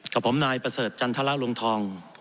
ขอบพร้อมนายประเสริฐจันทรละลุงทอง